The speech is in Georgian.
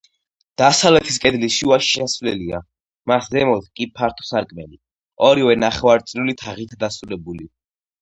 დასავლეთის კედლის შუაში შესასვლელია, მას ზემოთ კი ფართო სარკმელი, ორივე ნახევარწრიული თაღითა დასრულებული.